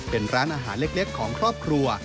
เป็นร้านอาหารเล็กของครอบครัว